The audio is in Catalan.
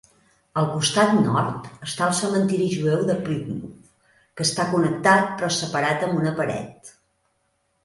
Al costat nord-està el cementiri jueu de Plymouth, que està connectat, però separat amb una paret.